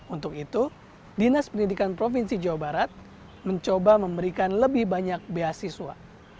untuk itu dinas pendidikan provinsi jawa barat mencoba memberikan lebih banyak beasiswa